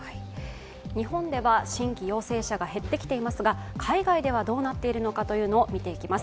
日本では新規陽性者が減ってきていますが海外ではどうなっているかを見ていきます。